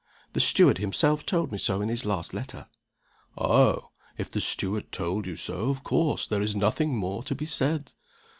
The steward himself told me so in his last letter." "Oh, if the steward told you so, of course there is nothing more to be said!"